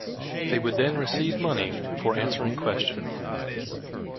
They would then receive money for answering questions.